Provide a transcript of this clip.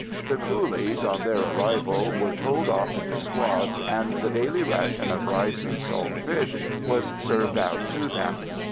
The coolies, on their arrival, were told off into squads, and the daily ration of rice and salt fish was served out to them.